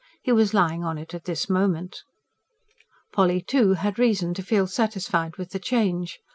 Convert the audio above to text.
He was lying on it at this moment. Polly, too, had reason to feel satisfied with the change.